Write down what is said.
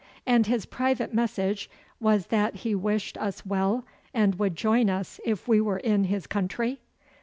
'And his private message was that he wished us well, and would join us if we were in his country?